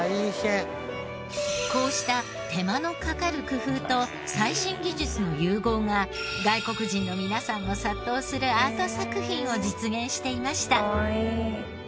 こうした手間のかかる工夫と最新技術の融合が外国人の皆さんも殺到するアート作品を実現していました。